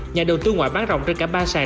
nhà đầu tư ngoại bán rộng trên cả ba sàn